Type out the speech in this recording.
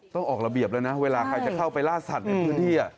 ต้องออกระเบียบแล้วนะเวลาใครจะเข้าไปล่าสัตว์ในพื้นที่